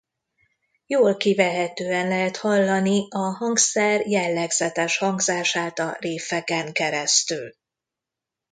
Jól kivehetően lehet hallani a hangszer jellegzetes hangzását a riffeken keresztül.